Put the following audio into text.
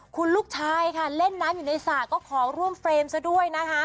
คุณลูกชายค่ะเล่นน้ำอยู่ในสระก็ขอร่วมเฟรมซะด้วยนะคะ